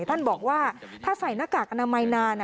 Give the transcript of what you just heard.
ท่านบอกว่าถ้าใส่หน้ากากอนามัยนาน